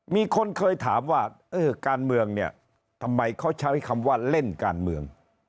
มีคนเคยถามว่าเออการเมืองเนี่ยทำไมเขาใช้คำว่าเล่นการเมือง